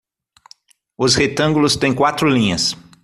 Os retângulos têm quatro linhas.